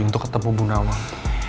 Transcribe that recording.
untuk ketemu bu nawang